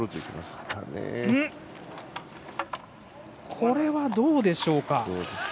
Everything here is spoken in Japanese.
これはどうでしょうか。